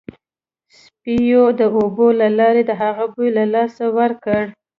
سپیو د اوبو له لارې د هغه بوی له لاسه ورکړ